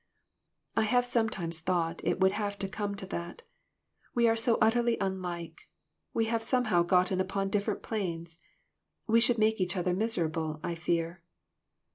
" I have sometimes thought it would have come to that. We are so utterly unlike. We have somehow got upon different planes. We should make each other miserable, I fear."